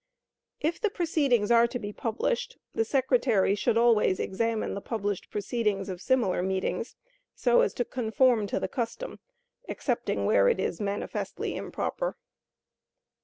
If the proceedings are to be published, the secretary should always examine the published proceedings of similar meetings, so as to conform to the custom, excepting where it is manifestly improper.